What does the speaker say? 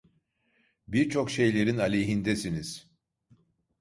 Birçok şeylerin aleyhindesiniz.